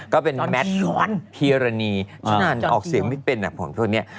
ก็เป็นแมทพีรานีฉะนั้นออกเสียงไม่เป็นอ่ะพวกนี้